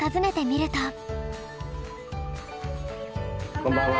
こんばんは。